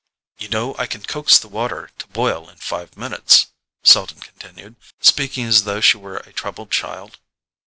"You know I can coax the water to boil in five minutes," Selden continued, speaking as though she were a troubled child.